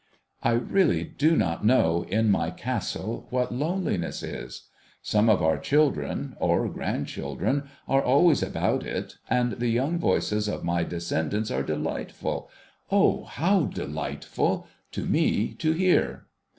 I really do not know, in my Castle, what loneliness is. Some of our children or grandchildren are always about it, and the young voices of my descendants are delightful — O, how delightful !— to me to hear.